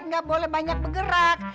enggak boleh banyak bergerak